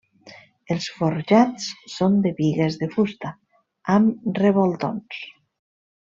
Els forjats són de bigues de fusta amb revoltons.